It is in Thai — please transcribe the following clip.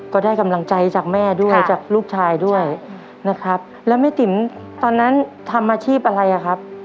ก็ได้กำลังใจจากแม่ด้วยจากลูกชายด้วยนะครับแล้วแม่ติ๋มตอนนั้นทำอาชีพอะไรอ่ะครับ